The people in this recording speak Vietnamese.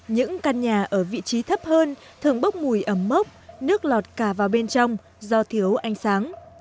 những căn nhà ở vị trí thấp hơn thường bốc mùi ẩm mốc nước lọt cả vào bên trong do thiếu ánh sáng